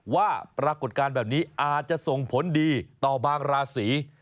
ว่าปรากฏการณ์แบบนี้อาจจะส่งผลดีต่อบางราศี